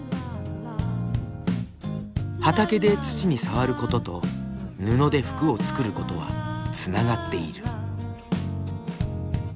畑で土に触ることと布で服を作ることはつながっている。